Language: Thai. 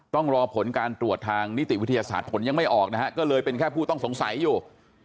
ต้องรอผลการตรวจทางนิติวิทยาศาสตร์ผลยังไม่ออกนะฮะก็เลยเป็นแค่ผู้ต้องสงสัยอยู่